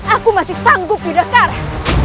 aku masih sanggup yudhakara